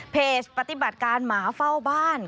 ปฏิบัติการหมาเฝ้าบ้าน